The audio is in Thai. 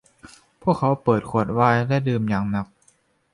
พวกเขาเปิดขวดไวน์และดื่มอย่างหนัก